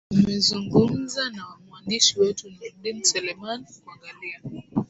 amezungumza na mwandishi wetu nurdin seleman kuangalia